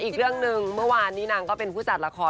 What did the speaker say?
อีกเรื่องหนึ่งเมื่อวานนี้นางก็เป็นผู้จัดละคร